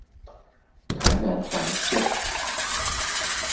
台南環線